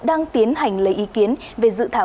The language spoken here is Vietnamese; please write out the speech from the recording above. đang tiến hành lấy ý kiến về dự thảo